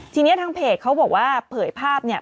ทีนี้ทางเพจเขาบอกว่าเผยภาพเนี่ย